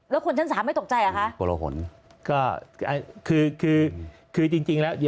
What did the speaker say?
แล้วคนชั้น๓ไม่ตกใจเหรอคะก็คือจริงแล้ว